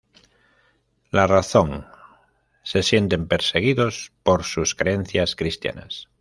La razón: se sienten perseguidos por sus creencias cristianas.